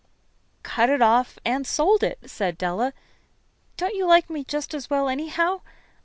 "Cut it off and sold it," said Della. "Don't you like me just as well, anyhow?